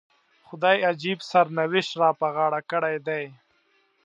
خدای عجیب سرنوشت را په غاړه کړی دی.